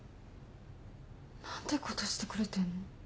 何てことしてくれてんの。